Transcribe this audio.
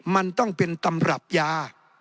มันต้องเป็นตำรับยา